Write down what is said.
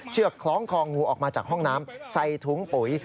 คล้องคองูออกมาจากห้องน้ำใส่ถุงปุ๋ย